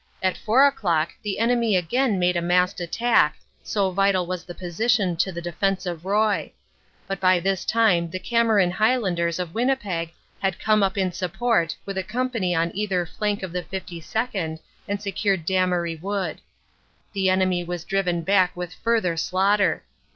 At four o clock the enemy again made a massed attack, so vital was the position to the defense of Roye. But by this time the Cameron High landers of Winnipeg had come up in support with a company on either flank of the 52nd. and secured Damery Wood. The enemy was driven back with further slaughter.